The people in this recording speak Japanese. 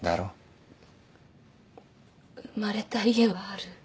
生まれた家はある？